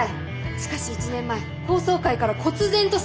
しかし１年前法曹界からこつ然と姿を消した。